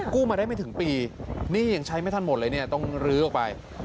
มาได้ไม่ถึงปีนี่ยังใช้ไม่ทันหมดเลยเนี่ยต้องลื้อออกไป